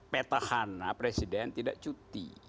petahana presiden tidak cuti